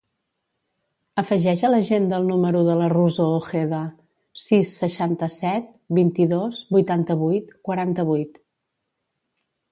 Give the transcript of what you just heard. Afegeix a l'agenda el número de la Rosó Ojeda: sis, seixanta-set, vint-i-dos, vuitanta-vuit, quaranta-vuit.